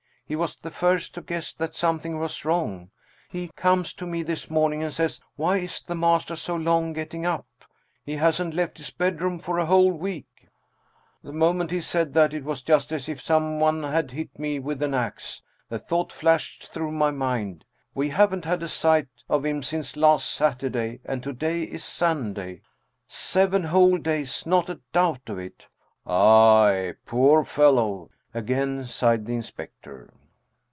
He was the first to guess that something was wrong. He comes to me this morning, and says: 'Why is the master so long getting up? He hasn't left his bedroom for a whole week !' The moment he said that, it was just as if some one had hit me with an ax. The thought flashed through my mind, ' We haven't had a sight of him since last Saturday, and to day is Sunday '! Seven whole days not a doubt of it !"" Ay, poor fellow !" again sighed the inspector.